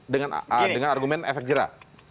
dengan argumen efek jera